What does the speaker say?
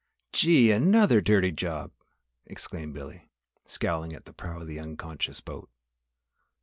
"Gee! another dirty job!" exclaimed Billy, scowling at the prow of the unconscious boat.